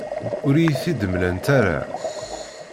Ur iyi-t-id-mlant ara.